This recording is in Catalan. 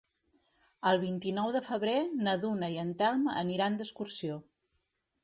El vint-i-nou de febrer na Duna i en Telm aniran d'excursió.